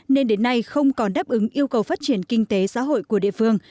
nên đến nay không còn đáp ứng yêu cầu phát triển kinh tế xã hội của địa phương